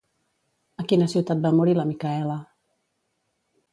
A quina ciutat va morir la Micaela?